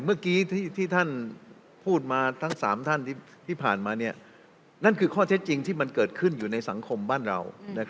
เมื่อกี้ที่ท่านพูดมาทั้ง๓ท่านที่ผ่านมานั่นคือข้อเท็จจริงที่มันเกิดขึ้นอยู่ในสังคมบ้านเรา